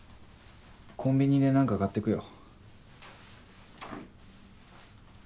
コンビニでなんか買ってくよ。